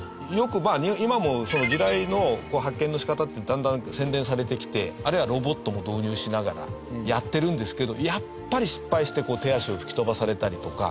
今も地雷の発見の仕方ってだんだん洗練されてきてあるいはロボットも導入しながらやってるんですけどやっぱり失敗して手足を吹き飛ばされたりとか。